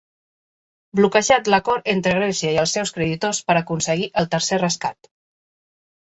Bloquejat l'acord entre Grècia i els seus creditors per aconseguir el tercer rescat